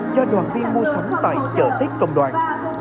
do đoàn viên mua sắm tại trợ tết công đoàn